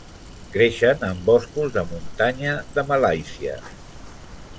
Creixen en boscos de muntanya de Malàisia.